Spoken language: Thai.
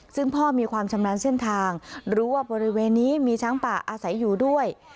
ซึ่งพ่อมีความชำนาญเส้นทางรู้ว่าบริเวณนี้มีช้างป่าอาศัยอยู่ด้วย